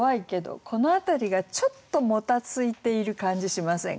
この辺りがちょっともたついている感じしませんか？